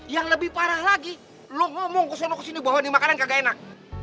yang lebih parah lagi lo ngomong kesana kesini bahwa ini makanan kagak enak